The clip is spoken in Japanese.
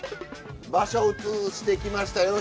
場所を移してきました。